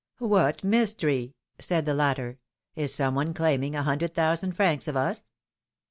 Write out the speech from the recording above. What mystery !" said the latter ; is some one claim ing a hundred thousand francs of us?